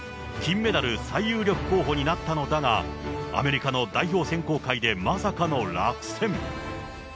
金メダル最有力候補になったのだが、アメリカの代表選考会でまさかの落選。